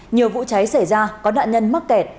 nhiều vụ cháy xảy ra có nạn nhân mắc kẹt